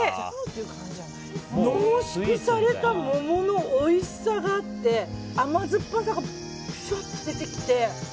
濃縮された桃のおいしさがあって甘酸っぱさがぴしょっと出てきて。